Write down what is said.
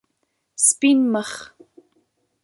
سپین مخ